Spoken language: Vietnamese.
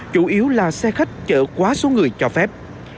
chủ yếu là xe khách chở quá số người cho phép